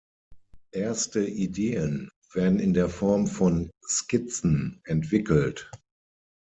Erste Ideen werden in der Form von Skizzen entwickelt.